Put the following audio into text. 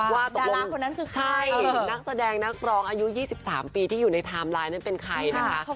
ว่าตกลงนั้นคือใครนักแสดงนักร้องอายุ๒๓ปีอยู่ในไทม์ไลน์เป็นใครนะคะ